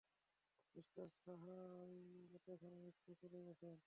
Mister Sahay এতক্ষণে নিশ্চয় চলে গেছেন।